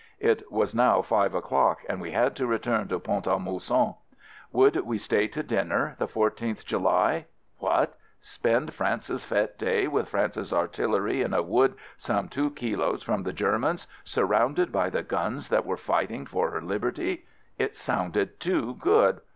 It was now five o'clock and we had to return to Pont a Mousson. Would we stay to dinner — the 14th July? — What! Spend France's fete day with France's artillery in a wood some two kilos from the Germans — sur rounded by the guns that were fighting for her liberty? It sounded too good!